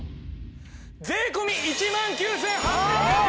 税込１万９８００円！